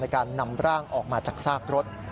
การนำร่างออกมาจากซากรถ